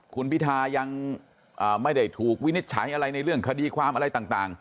คุณพิทายังไม่ได้ถูกวินิจฉัยอะไรในเรื่องคดีความอะไรต่าง